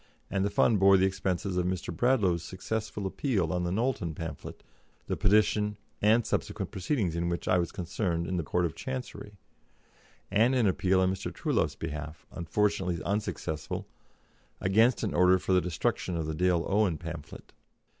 and the fund bore the expenses of Mr. Bradlaugh's successful appeal on the Knowlton pamphlet, the petition and subsequent proceedings in which I was concerned in the Court of Chancery, and an appeal on Mr. Truelove's behalf, unfortunately unsuccessful, against an order for the destruction of the Dale Owen pamphlet.